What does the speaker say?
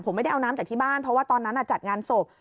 ผมไม่ได้เอาน้ำจากที่บ้านเพราะว่าตอนนั้นจัดงานศพ